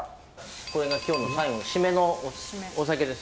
これが今日の最後の〆のお酒です。